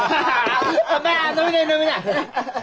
まあ飲みない飲みない。